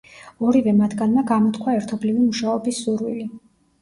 ორივე მათგანმა გამოთქვა ერთობლივი მუშაობის სურვილი.